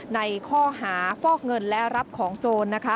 ในข้อหาฟอกเงินและรับของโจรนะคะ